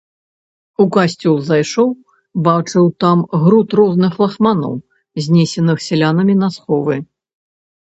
У касцёл зайшоў, бачыў там груд розных лахманоў, знесеных сялянамі на сховы.